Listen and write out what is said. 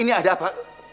ini ada apa